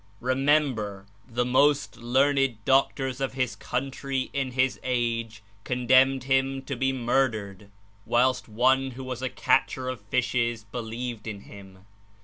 Remember, the most learned Doctors of His country in His age condemned Him to be mur dered, whilst one who was a catcher of fishes believed in Him.